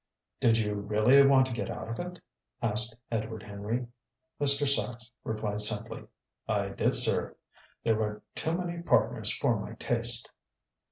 "Did you really want to get out of it?" asked Edward Henry. Mr. Sachs replied simply. "I did, sir. There were too many partners for my taste."